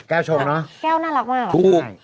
แก้วชงเนอะแก้วน่ารักมากถูก